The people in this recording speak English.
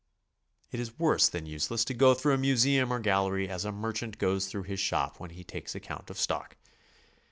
It is worse than useless to go through a museum or gallery as a merchant goes through his shop when he takes account of stock.